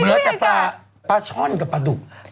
เหลือแจบปช่อนกับป่าดุก